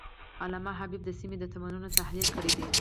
علامه حبيبي د سیمې د تمدنونو تحلیل کړی دی.